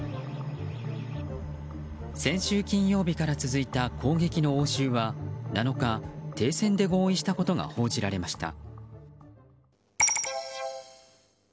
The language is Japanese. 先週金曜日から続いた攻撃の応酬は７日、停戦で合意したことが報じられました。